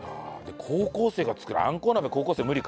高校生が作るあんこう鍋高校生無理か？